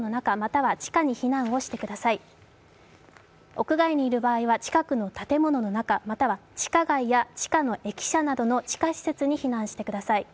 屋外にいる場合は近くの建物の中、または地下街や地下の駅舎などの地下施設に避難してください。